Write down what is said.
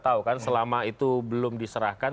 tahu kan selama itu belum diserahkan